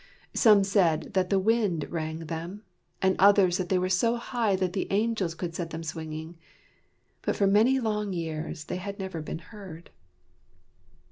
Some said that the wind rang them, and others that they were so high that the angels could set them swinging. But for many long years they had never been heard.